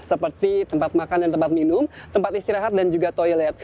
seperti tempat makan dan tempat minum tempat istirahat dan juga toilet